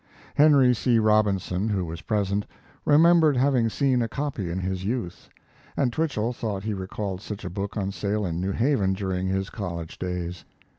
Henry C. Robinson, who was present, remembered having seen a copy in his youth, and Twichell thought he recalled such a book on sale in New Haven during his college days.